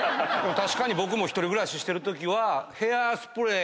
確かに僕も１人暮らししてるときは。